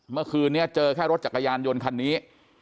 เมื่อคืนนี้เจอแค่รถจักรยานยนต์คันนี้